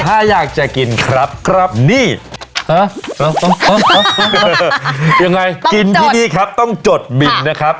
ถ้าอยากจะกินครับครับนี่ฮะยังไงกินที่นี่ครับต้องจดบินนะครับ